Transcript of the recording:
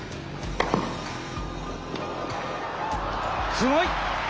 すごい！